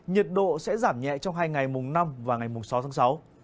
nhiệt độ sẽ giảm nhẹ trong hai ngày mùng năm và sáu tháng sáu